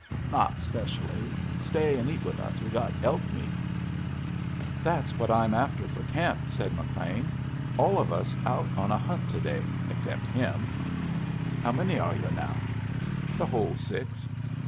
"Not specially. Stay and eat with us. We've got elk meat." "That's what I'm after for camp," said McLean. "All of us is out on a hunt to day except him." "How many are yu' now?" "The whole six."